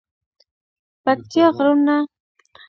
پکتيا غرونه په ژمی کی واورو پوښلي وی